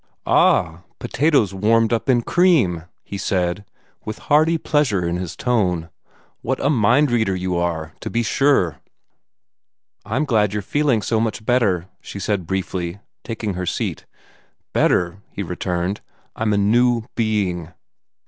"Ah! potatoes warmed up in cream!" he said, with hearty pleasure in his tone. "What a mind reader you are, to be sure!" "I'm glad you're feeling so much better," she said briefly, taking her seat. "Better?" he returned. "I'm a new being!"